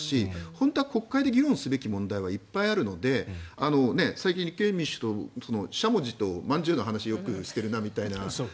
本当は国会で議論すべきことはいっぱいあるので最近、立憲民主党しゃもじとまんじゅうの話をよくしてるなみたいな。